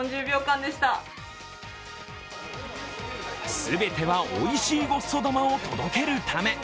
全てはおいしいごっそ玉を届けるため。